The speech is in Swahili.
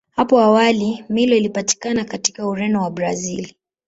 Hapo awali Milo ilipatikana katika Ureno na Brazili.